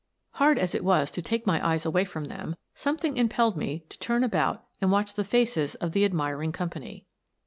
Hard as it was to take my eyes away from them, something impelled me to turn about and watch the faces of the admiring company.